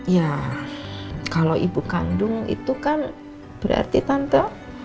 ya kalau ibu kandung itu kan berarti tante